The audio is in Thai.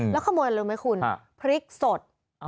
แล้วขโมยอะไรรู้ไหมคุณพริกสด